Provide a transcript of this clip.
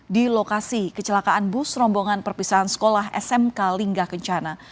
di lokasi kecelakaan bus rombongan perpisahan sekolah smk linggah kencana